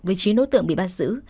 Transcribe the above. với trí nối tượng bị bắt giữ